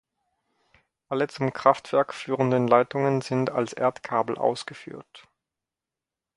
Alle zum Kraftwerk führenden Leitungen sind als Erdkabel ausgeführt.